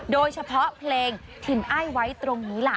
โดยเฉพาะเพลงถิ่นอ้ายไว้ตรงนี้ล่ะ